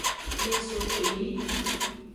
Nyin so kpeyi.